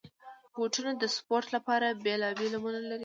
بوټونه د سپورټ لپاره بېلابېل نومونه لري.